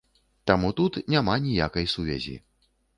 Таму тут няма ніякай сувязі.